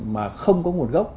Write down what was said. mà không có nguồn gốc